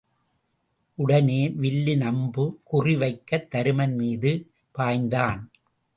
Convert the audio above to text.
உடனே வில்லின் அம்பு குறி வைக்கத் தருமன் மீது பாய்ந்தான்.